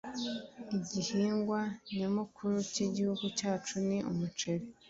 Igihingwa nyamukuru cyigihugu cyacu ni umuceri.